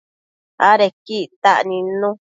Adequi ictac nidnu